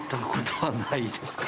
はい。